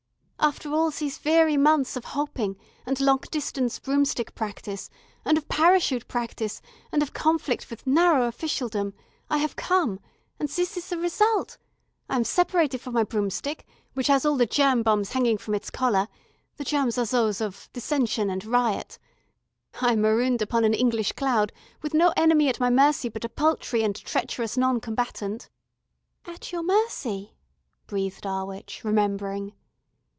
"After all these weary months of hoping, and long distance broomstick practice, and of parachute practice, and of conflict with narrow officialdom, I have come and this is the result. I am separated from my broomstick, which has all the germ bombs hanging from its collar the germs are those of dissension and riot I am marooned upon an English cloud, with no enemy at my mercy but a paltry and treacherous non combatant " "At your mercy," breathed our witch, remembering.